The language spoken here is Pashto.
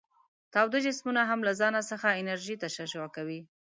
تاوده جسمونه هم له ځانه څخه انرژي تشعشع کوي.